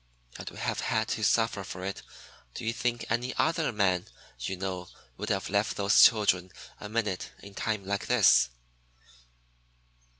And we have had to suffer for it. Do you think any other man you know would have left those children a minute in a time like this?"